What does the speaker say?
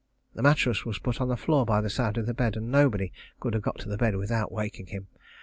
The mattress was put on the floor by the side of the bed, and nobody could have got to the bed without waking him.